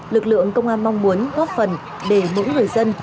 lực lượng công an mong muốn góp phần để mỗi người dân